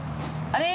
あれ？